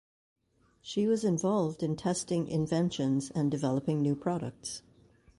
She was involved in testing inventions and developing new products.